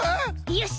よし！